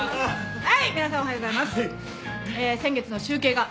はい。